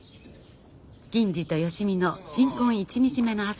銀次と芳美の新婚１日目の朝が明けました。